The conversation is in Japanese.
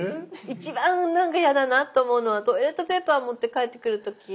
一番なんか嫌だなと思うのはトイレットペーパー持って帰ってくる時。